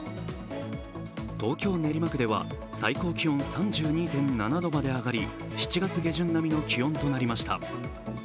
東京・練馬区では最高気温３２．７度まで上がり、７月下旬並みの気温となりました。